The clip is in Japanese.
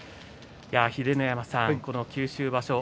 秀ノ山さん、九州場所